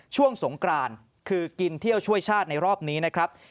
ช่วงสงกรานคือกินเที่ยวช่วยชาติในรอบนี้นะครับ